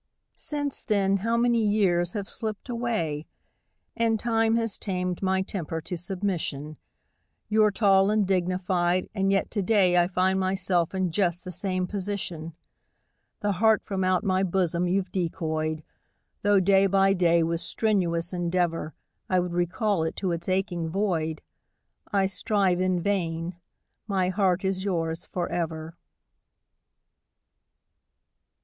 Since then how many years have slipped away ? And time has tamed my temper to submission. You're tall and dignified, and yet to day I find myself in just the same position. The heart from out my bosom you've decoyed, Though day by day with strenuous endeavour I would recall it to its aching void. I strive in vain my heart is yours for ever.